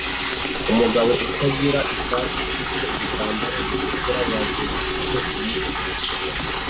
umugabo utagira ishati ufite igitambaro gitukura yazengurutse umutwe